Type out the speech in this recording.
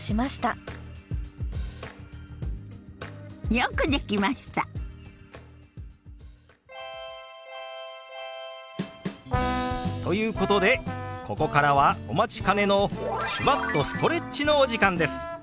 よくできました！ということでここからはお待ちかねの手話っとストレッチのお時間です！